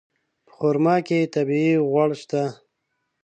په خرما کې طبیعي غوړ شته.